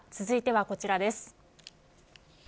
続いてはこちらです。